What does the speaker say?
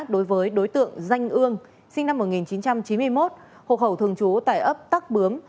đối với đối tượng danh ương sinh năm một nghìn chín trăm chín mươi một hộ khẩu thường trú tại ấp tắc bướm